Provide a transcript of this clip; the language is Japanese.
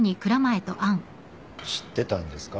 知ってたんですか？